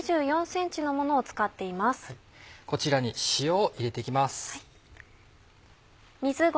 こちらに塩を入れて行きます。